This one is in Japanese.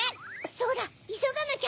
そうだいそがなきゃ！